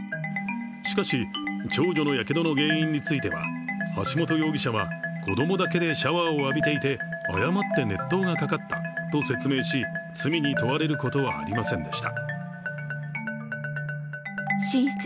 しかし、長女のやけどの原因については橋本容疑者は子供だけでシャワーを浴びていて、誤って熱湯がかかったと説明し罪に問われることはありませんでした。